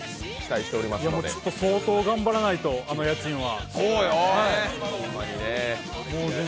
相当頑張らないと、あの家賃は。